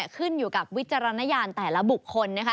ขึ้นอยู่กับวิจารณญาณแต่ละบุคคลนะคะ